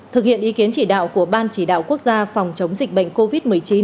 thực hiện ý kiến chỉ đạo của ban chỉ đạo quốc gia phòng chống dịch bệnh covid một mươi chín